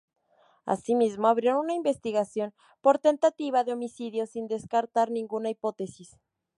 Asimismo, abrieron una investigación por tentativa de homicidio sin descartar ninguna hipótesis.